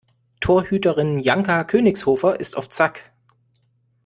Torhüterin Janka Königshofer ist auf Zack.